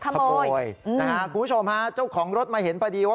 ขโมยนะฮะคุณผู้ชมฮะเจ้าของรถมาเห็นพอดีว่า